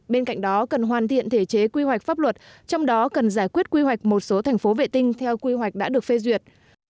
bên cạnh đó cần hoàn thiện thể chế quy hoạch pháp luật trong đó cần giải quyết quy hoạch một số thành phố vệ tinh theo quy hoạch đã được phê duyệt